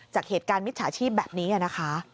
จากเหตุการณ์มิจฉาชีพแบบนี้นะคะ